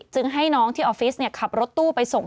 ให้น้องที่ออฟฟิศขับรถตู้ไปส่ง